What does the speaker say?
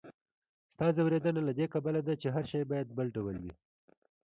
ستا ځوریدنه له دې کبله ده، چې هر شی باید بل ډول وي.